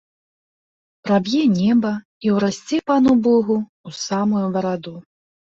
Праб'е неба і ўрасце пану богу ў самую бараду.